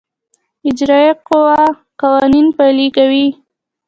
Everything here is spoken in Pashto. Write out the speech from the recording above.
اجرائیه قوه قوانین پلي کوي